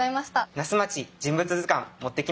「那須まち人物図鑑」持ってきました。